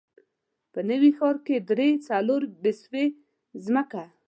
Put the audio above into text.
په نوي ښار کې درې، څلور بسوې ځمکه.